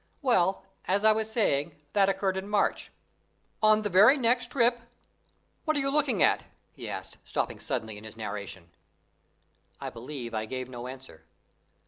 Well, as I was saying, that occurred in March. On the very next trip What are you looking at?" he asked, stopping suddenly in his narration. I believe I gave no answer.